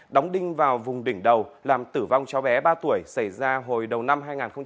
đóng đinh vào vùng đỉnh đầu làm tử vong cháu bé ba tuổi xảy ra hồi đầu năm hai nghìn hai mươi ba